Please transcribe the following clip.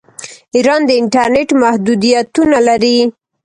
ایران د انټرنیټ محدودیتونه لري.